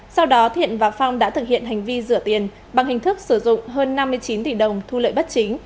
sau đó thiện và phong đã thực hiện hành vi rửa tiền bằng hình thức sử dụng hơn năm mươi chín tỷ đồng thu lợi bất chính